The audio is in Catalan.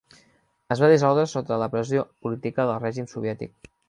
Es va dissoldre sota la pressió política del règim soviètic.